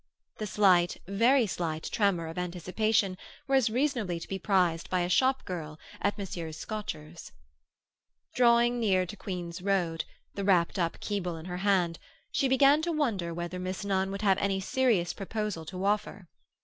The slight, very slight, tremor of anticipation was reasonably to be prized by a shop girl at Messrs. Scotcher's. Drawing near to Queen's Road—the wrapped up Keble in her hand—she began to wonder whether Miss Nunn would have any serious proposal to offer.